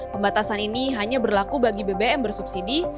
pembatasan ini hanya berlaku bagi bbm bersubsidi